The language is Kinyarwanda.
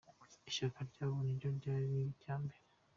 Ishyaka ryabo niryo ryari irya mbere.